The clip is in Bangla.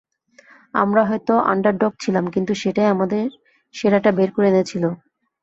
আমরা হয়তো আন্ডারডগ ছিলাম, কিন্তু সেটাই আমাদের সেরাটা বের করে এনেছিল।